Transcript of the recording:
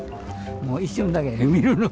もう一瞬だけ、見るの。